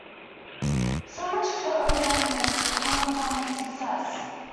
So much of her own happiness, hung upon its success.